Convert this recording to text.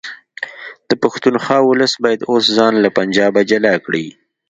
د پښتونخوا ولس باید اوس ځان له پنجابه جلا کړي